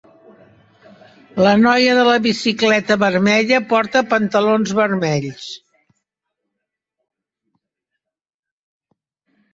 La noia de la bicicleta vermella porta pantalons vermells.